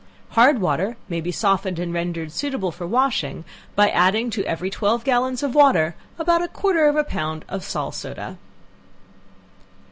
Hard water may be softened and rendered suitable for washing, by adding to every twelve gallons of water, about a quarter of a pound of sal soda.